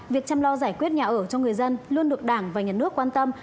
việc chăm lo giải quyết nhà ở cho người dân luôn được đảng và nhà nước quan tâm